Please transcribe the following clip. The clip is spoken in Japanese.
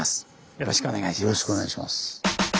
よろしくお願いします。